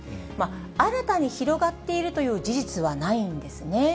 新たに広がっているという事実はないんですね。